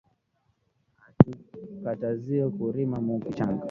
Atu kataziwe ku rima mu kichanga